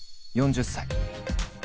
４０歳。